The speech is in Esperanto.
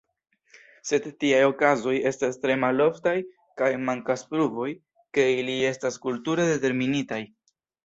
Sed tiaj okazoj estas tre maloftaj, kaj mankas pruvoj, ke ili estas kulture determinitaj.